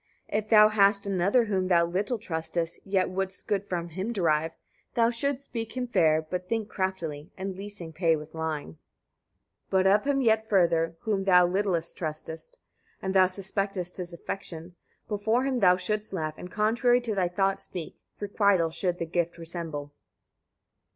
45. If thou hast another, whom thou little trustest, yet wouldst good from him derive, thou shouldst speak him fair, but think craftily, and leasing pay with lying. 46. But of him yet further, whom thou little trustest, and thou suspectest his affection; before him thou shouldst laugh, and contrary to thy thoughts speak: requital should the gift resemble.